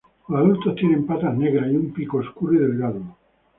Los adultos tienen patas negras y un pico oscuro y delgado.